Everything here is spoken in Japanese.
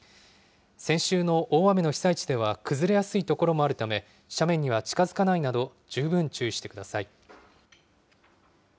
先週の大雨の被災地では崩れやすい所もあるため、斜面には近づかないなど、十分注意してください。